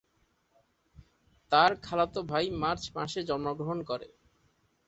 তার খালাতো ভাই মার্চ মাসে জন্মগ্রহণ করে।